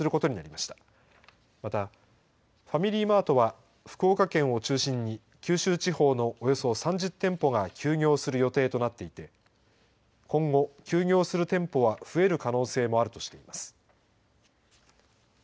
またファミリーマートは福岡県を中心に九州地方のおよそ３０店舗が休業する予定となっていて今後、休業する店舗は増える可能性もあるとしています。